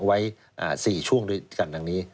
ไว้สี่ช่วงด้วยกันทางนี้